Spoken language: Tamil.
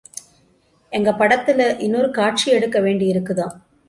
எங்க படத்திலே இன்னொரு காட்சி எடுக்க வேண்டியிருக்குதாம்.